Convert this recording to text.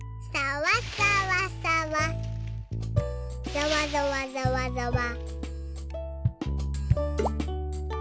ざわざわざわざわ。